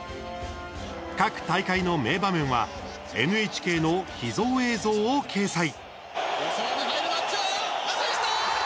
各大会の名場面はＮＨＫの秘蔵映像を掲載。